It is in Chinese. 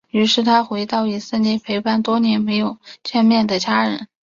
于是他回到以色列陪伴多年没有见面的家人。